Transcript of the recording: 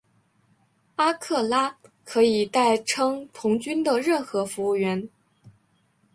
阿克拉可以代称童军的任何服务员。